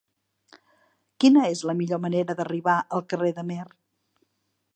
Quina és la millor manera d'arribar al carrer d'Amer?